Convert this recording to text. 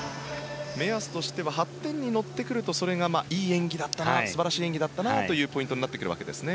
目安としては８点に乗ってくるとそれがいい演技だったなというポイントになってくるわけですね。